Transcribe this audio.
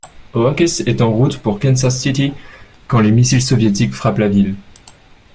Oakes est en route pour Kansas City quand les missiles soviétiques frappent la ville.